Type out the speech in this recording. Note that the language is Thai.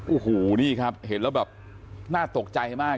โอ้โหนี่ครับเห็นแล้วแบบน่าตกใจมาก